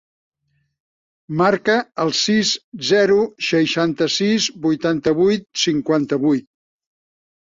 Marca el sis, zero, seixanta-sis, vuitanta-vuit, cinquanta-vuit.